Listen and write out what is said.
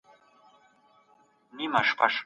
جزييه مالي مکلفيت دیو بدل کي يې ساتنه کيږي.